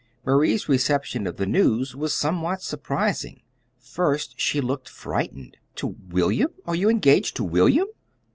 Marie's reception of the news was somewhat surprising. First she looked frightened. "To William? you are engaged to William?"